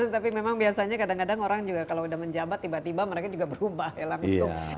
tapi memang biasanya kadang kadang orang juga kalau udah menjabat tiba tiba mereka juga berubah ya langsung